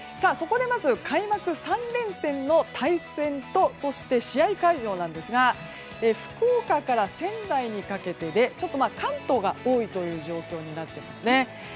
そこで、まず開幕３連戦の対戦とそして試合会場ですが福岡から仙台にかけて関東が多いという状況になっていますね。